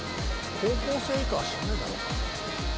高校生以下は知らねえだろうな。